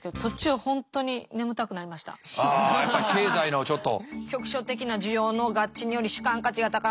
やっぱり経済のちょっと。